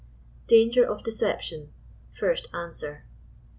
DANGER OF DKCEPTION. FIRST ANSWER.